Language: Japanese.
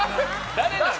誰なの？